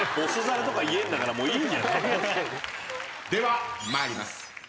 では参ります。